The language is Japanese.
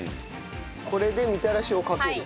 これでみたらしをかける。